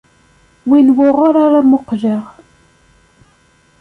Win wuɣur ara muqleɣ.